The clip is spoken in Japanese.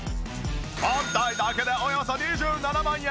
本体だけでおよそ２７万円。